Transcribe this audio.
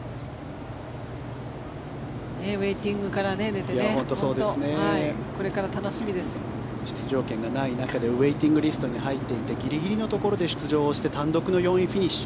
ウェイティングから出て出場権がない中でウェイティングリストに入っていてギリギリのところで出場して単独の４位フィニッシュ。